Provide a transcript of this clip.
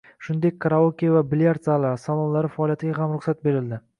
Shuningdek, karaoke va bilyard zallari, salonlari faoliyatiga ham ruxsat berildi.